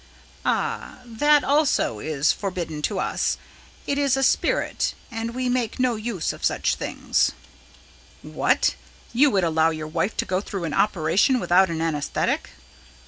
"Ah, that also is forbidden to us. It is a spirit, and we make no use of such things." "What! You would allow your wife to go through an operation without an anaesthetic?"